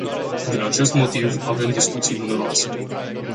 Din acest motiv avem discuții numeroase.